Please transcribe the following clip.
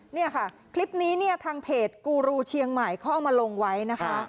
นี่ค่ะคลิปนี้ทางเพจกูรูเชียงใหม่เข้ามาลงไว้นะคะ